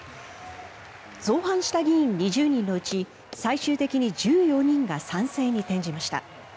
造反した議員２０人のうち最終的に１４人が賛成に転じました。